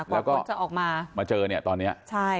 แล้วก็มาเจอตอนนี้